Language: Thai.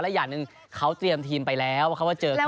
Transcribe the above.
และอย่างหนึ่งเขาเตรียมทีมไปแล้วเขาก็เจอใคร